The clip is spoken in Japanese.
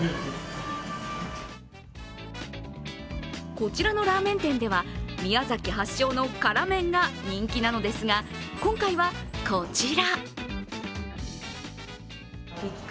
こちらのラーメン店では宮崎発祥の辛麺が人気なのですが今回はこちら。